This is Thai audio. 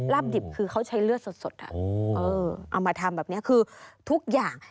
ดิบคือเขาใช้เลือดสดเอามาทำแบบนี้คือทุกอย่าง